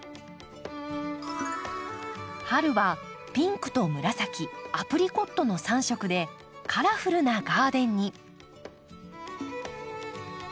春はピンクと紫アプリコットの３色でカラフルなガーデンに。